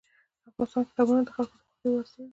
افغانستان کې قومونه د خلکو د خوښې وړ ځای دی.